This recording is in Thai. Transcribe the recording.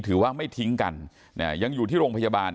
ถือว่าไม่ทิ้งกันยังอยู่ที่โรงพยาบาล